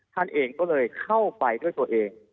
ท่านเองก็เลยเข้าไปด้วยตัวเอง